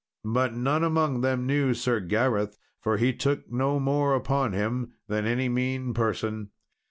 But none among them knew Sir Gareth, for he took no more upon him than any mean person.